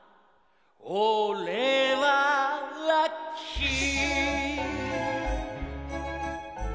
「おれはラッキー」